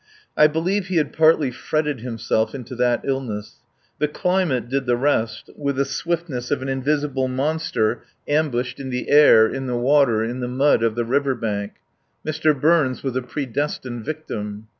I believe he had partly fretted himself into that illness; the climate did the rest with the swiftness of an invisible monster ambushed in the air, in the water, in the mud of the river bank. Mr. Burns was a predestined victim.